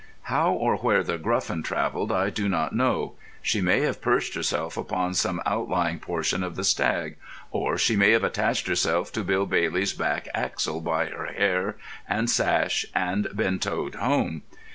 How or where The Gruffin travelled I do not know. She may have perched herself upon some outlying portion of the stag, or she may have attached herself to Bill Bailey's back axle by her hair and sash, and been towed home.